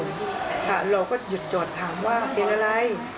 เราก็หยุดจอดถามว่าเป็นอะไร